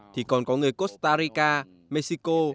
thì còn có người costa rica mexico